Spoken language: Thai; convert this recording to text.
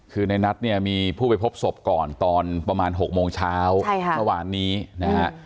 คือในนัทเนี่ยมีผู้ไปพบศพก่อนตอนประมาณ๖โมงเช้าเมื่อวานนี้นะฮะ